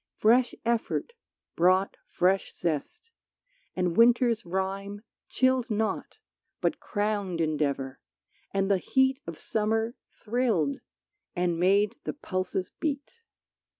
Fresh effort brought fresh zest, and winter's rime Chilled not but crowned endeavor, and the heat Of summer thrilled, and made the pulses beat.